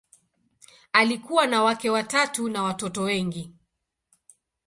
Alikuwa na wake watatu na watoto wengi.